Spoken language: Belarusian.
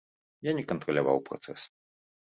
Я не кантраляваў працэс.